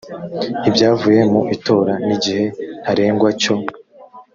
ibyavuye mu itora n igihe ntarengwa cyo